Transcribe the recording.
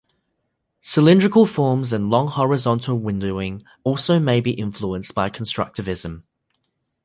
Cylindrical forms and long horizontal windowing also may be influenced by constructivism.